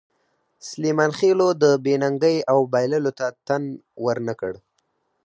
سلیمان خېلو د بې ننګۍ او بایللو ته تن ور نه کړ.